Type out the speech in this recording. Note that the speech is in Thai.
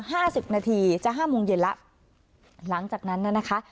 สิบนาทีจะห้าโมงเย็นแล้วหลังจากนั้นน่ะนะคะ